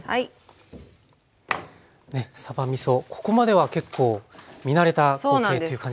さばみそここまでは結構見慣れた光景っていう感じですね。